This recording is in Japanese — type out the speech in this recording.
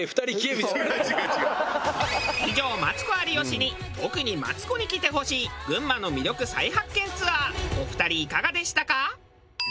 以上マツコ有吉に特にマツコに来てほしい群馬の魅力再発見ツアーお二人いかがでしたか？